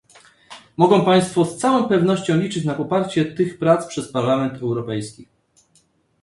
Mogą Państwo z całą pewnością liczyć na poparcie tych prac przez Parlament Europejski